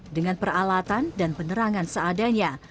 dengan peralatan dan penerangan seadanya